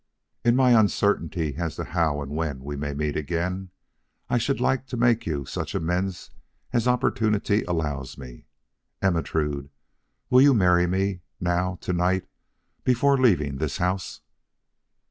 In my uncertainty as to how and when we may meet again, I should like to make you such amends as opportunity allows me. Ermentrude, will you marry me now to night, before leaving this house?"